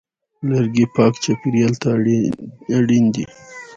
لرګی پاک چاپېریال ته اړین دی.